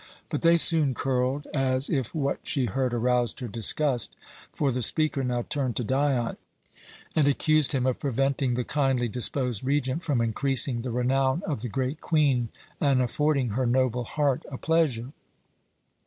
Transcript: But they soon curled, as if what she heard aroused her disgust, for the speaker now turned to Dion and accused him of preventing the kindly disposed Regent from increasing the renown of the great Queen and affording her noble heart a pleasure.